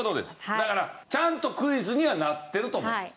だからちゃんとクイズにはなってると思います。